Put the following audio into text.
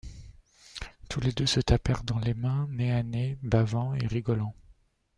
Tous les deux se tapèrent dans les mains, nez à nez, bavant et rigolant.